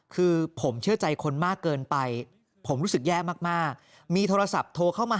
คือผมเชื่อใจคนมากเกินไปผมรู้สึกแย่มากมีโทรศัพท์โทรเข้ามา